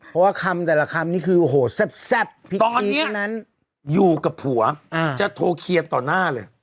เพราะว่าคำแต่ละคำนี้คือโอ้โหแซ่บตอนนี้อยู่กับผัวจะโทรเคลียร์ต่อหน้าเลย